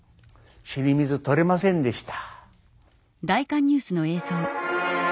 死に水取れませんでした。